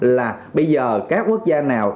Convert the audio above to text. là bây giờ các quốc gia nào